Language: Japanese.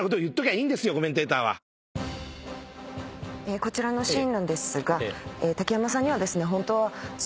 こちらのシーンなんですが竹山さんにはですね。